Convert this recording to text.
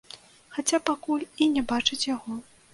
Хаця пакуль і не бачаць яго.